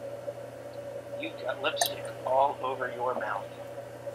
You've got lipstick all over your mouth.